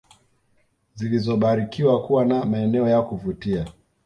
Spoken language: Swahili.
zilizobarikiwa kuwa na maeneo ya kuvutia